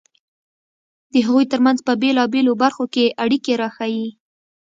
د هغوی ترمنځ په بېلابېلو برخو کې اړیکې راښيي.